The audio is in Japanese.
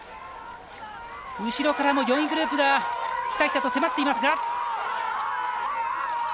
後ろからも４位グループがひたひたと迫っていますが。